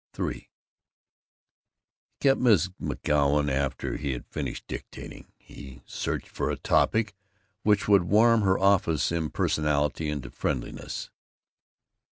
III He kept Miss McGoun after he had finished dictating. He searched for a topic which would warm her office impersonality into friendliness.